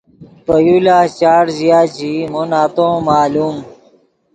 پے یو لاست چاڑ ژیا چے ای مو نتو ام معلوم